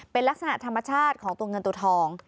เป็นลักษณะธรรมชาติของตัวเงินตัวทอง